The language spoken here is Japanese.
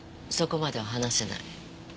そこまでは話せない。